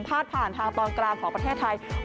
ผ่านทางตอนกลางของประเทศไทย